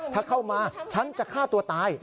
ถ้าเข้ามาฉันจะฆ่าตัวตาย